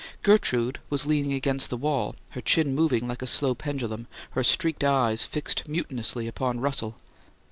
Gertrude was leaning against the wall, her chin moving like a slow pendulum, her streaked eyes fixed mutinously upon Russell.